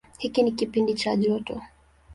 Hiki ni kipindi cha joto.